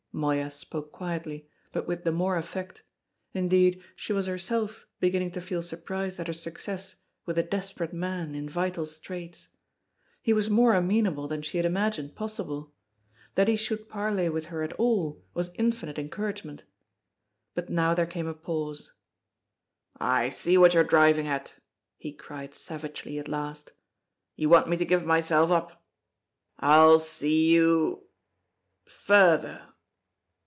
Moya spoke quietly, but with the more effect; indeed, she was herself beginning to feel surprised at her success with a desperate man in vital straits. He was more amenable than she had imagined possible. That he should parley with her at all was infinite encouragement. But now there came a pause. "I see what you're driving at," he cried savagely at last. "You want me to give myself up! I'll see you further."